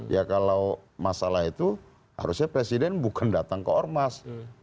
ya kalau masalah itu harusnya presiden bukan datang ke ormas